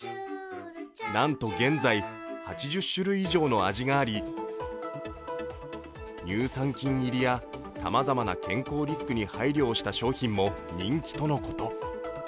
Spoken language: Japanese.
なんと現在、８０種類以上の味があり乳酸菌入りやさまざまな健康リスクに配慮した商品も人気とのこと。